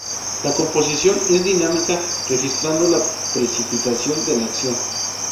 La composición es dinámica, registrando la precipitación de la acción.